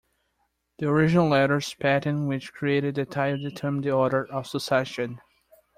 The original letters patent which created the title determine the order of succession.